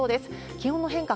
気温の変化